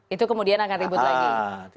itu kemudian akan ribut lagi